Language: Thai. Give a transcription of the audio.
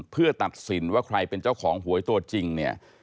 เพื่อตัดสินว่าใครเป็นเจ้าของหวยตัวจริงเนี่ย